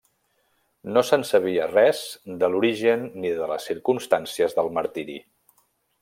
No se'n sabia res de l'origen ni de les circumstàncies del martiri.